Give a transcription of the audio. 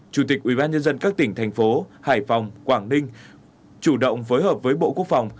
ba chủ tịch ủy ban nhân dân các tỉnh thành phố hải phòng quảng ninh chủ động phối hợp với bộ quốc phòng